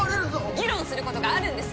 議論することがあるんです